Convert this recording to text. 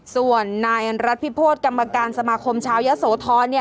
ส่วนนายรัฐพิโพธกรรมการสมาคมชาวยะโสธร